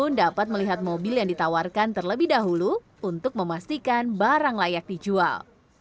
pengunjung dapat melihat mobil yang ditawarkan terlebih dahulu untuk memastikan barang layak dijual